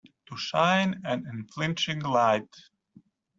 To shine an unflinching light.